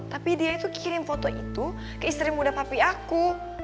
tapi dia itu kirim foto itu ke istri muda papi aku